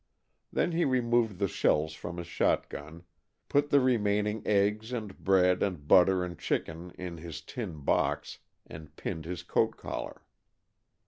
Then he removed the shells from his shotgun, put the remaining eggs and bread and butter and chicken in his tin box, and pinned his coat collar.